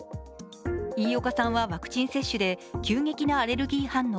飯岡さんはワクチン接種で急激なアレルギー反応